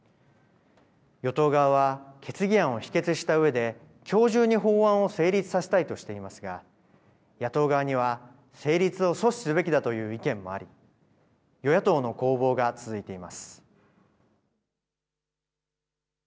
与党側は、決議案を否決したうえで、きょう中に法案を成立させたいとしていますが、野党側には成立を阻止すべきだという意見もあり、与野党の攻防が続いています。